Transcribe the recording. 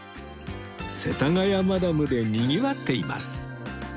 世田谷マダムでにぎわっています